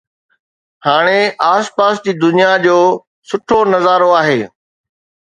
هاڻي آس پاس جي دنيا جو سٺو نظارو آهي